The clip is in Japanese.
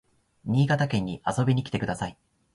新潟県に遊びに来てください